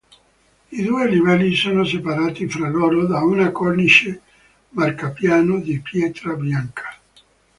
I due livelli sono separati fra loro da una cornice marcapiano di pietra bianca.